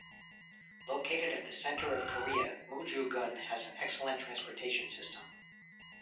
Located at the center of Korea, Muju-gun has an excellent transportation system.